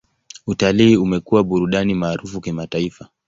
Utalii umekuwa burudani maarufu kimataifa.